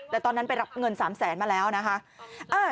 แต่ตอนนั้นไปรับเงิน๓แสนมาแล้วนะคะ